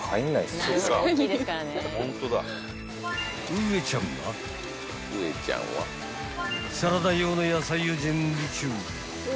［ウエちゃんはサラダ用の野菜を準備中］